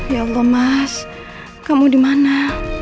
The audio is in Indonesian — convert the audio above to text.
ya allah mas kamu dimana